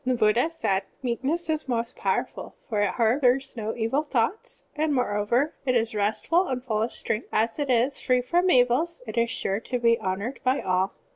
The Buddha said: "Meekness is most powerful, for it harbors no evil thoughts, and, moreover, it is restful and ftdl of strength. As it is free from evils, it is sure to be honored by all.